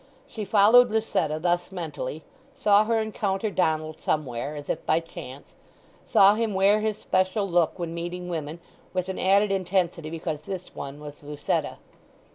She followed Lucetta thus mentally—saw her encounter Donald somewhere as if by chance—saw him wear his special look when meeting women, with an added intensity because this one was Lucetta.